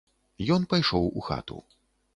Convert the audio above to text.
Ён пайшоў у хату.